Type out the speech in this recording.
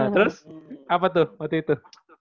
terus apa tuh waktu itu